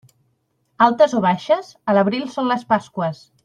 Altes o baixes, a l'abril són les Pasqües.